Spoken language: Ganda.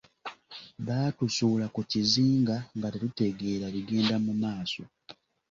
Baatusuula ku kizinga nga tetutegeera bigenda mu maaso.